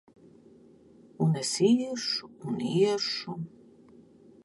Un es iešu un iešu!